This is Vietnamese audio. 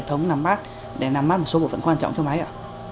để thống nằm mát để nằm mát một số bộ phận quan trọng cho máy ạ